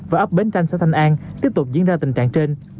và ấp bến tranh xã thanh an tiếp tục diễn ra tình trạng trên